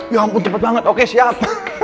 ya ampun cepat banget oke siap